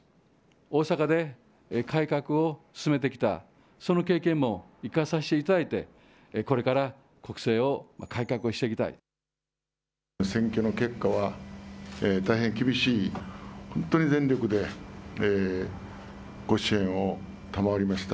大阪で改革を進めてきた、その経験も生かさせていただいて、これ選挙の結果は、大変厳しい、本当に全力でご支援を賜りました。